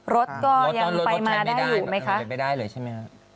รถก็ยังไปมาได้อยู่ไหมคะ